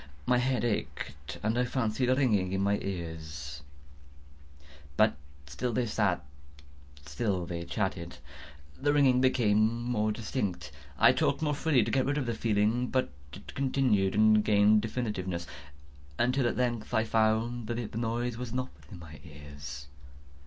My head ached, and I fancied a ringing in my ears: but still they sat and still chatted. The ringing became more distinct:—it continued and became more distinct: I talked more freely to get rid of the feeling: but it continued and gained definiteness—until, at length, I found that the noise was not within my ears.